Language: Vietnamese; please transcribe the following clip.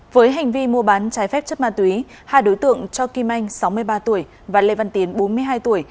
với hành vi mua bán trái phép chất ma túy hai đối tượng cho kim anh sáu mươi ba tuổi và lê văn tiến bốn mươi hai tuổi